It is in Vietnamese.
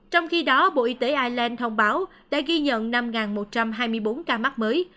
trong khi đó bộ y tế ireland thông báo đã ghi nhận năm một trăm hai mươi bốn ca mắc mới